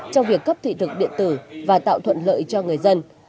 trong việc cấp thị thực điện tử và tạo thuận lợi cho người dân